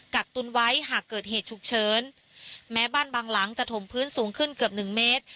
กักตุนไว้หากเกิดเหตุฉุกเฉินแม้บ้านบางหลังจะถมพื้นสูงขึ้นเกือบหนึ่งเมตร